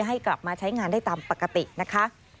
ให้กลับมาใช้งานได้ตามปกตินะคะ